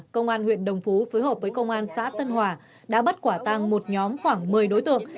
công an huyện đồng phú phối hợp với công an xã tân hòa đã bắt quả tăng một nhóm khoảng một mươi đối tượng